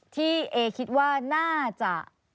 ที่เอ๋คิดว่าน่าจะ